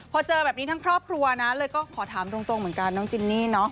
พอเจอแบบนี้ทั้งครอบครัวนะเลยก็ขอถามตรงเหมือนกันน้องจินนี่เนาะ